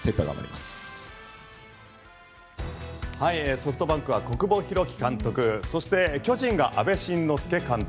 ソフトバンクは小久保裕紀監督そして巨人が阿部慎之助監督